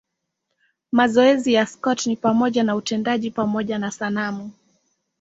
Mazoezi ya Scott ni pamoja na utendaji pamoja na sanamu.